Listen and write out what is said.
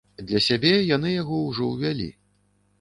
Для сябе яны яго ўжо ўвялі.